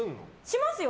しますよ。